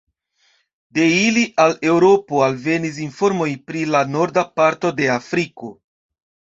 De ili al Eŭropo alvenis informoj pri la norda parto de Afriko.